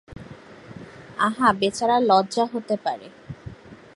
আহা, বেচারার লজ্জা হতে পারে।